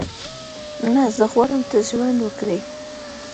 نه، زه غواړم ته ژوند وکړې.